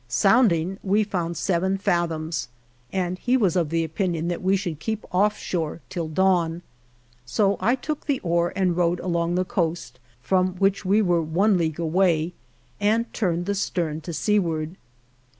Sounding, we found seven fathoms, and he was of the opinion that we should keep off shore till dawn. So I took 53 THE JOURNEY OF the oar and rowed along the coast, from which we were one league away, and turned the stern to seaward.